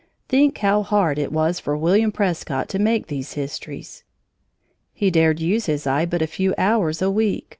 Think how hard it was for William Prescott to make these histories. He dared use his eye but a few hours a week.